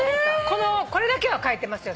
これだけはかえてますよ